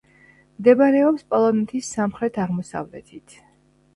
მდებარეობს პოლონეთის სამხრეთ-აღმოსავლეთით.